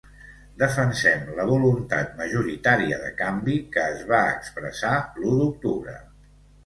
Defensem la voluntat majoritària de canvi que es va expressar l’u d’octubre.